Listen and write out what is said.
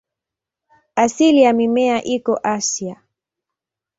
Asili ya mimea iko Asia.